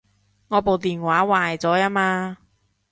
我部電話壞咗吖嘛